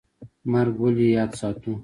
مرګ ولې یاد ساتو؟